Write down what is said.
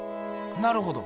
なるほど。